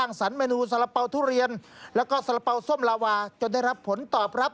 นมสดลาวา